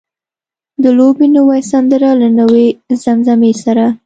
د لوبې نوې سندره له نوې زمزمې سره.